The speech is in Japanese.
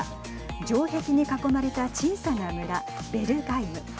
城壁に囲まれた小さな村ベルガイム。